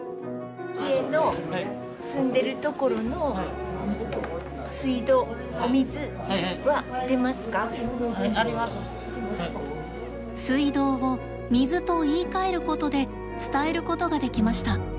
家の住んでるところの水道「水道」を「水」と言いかえることで伝えることができました。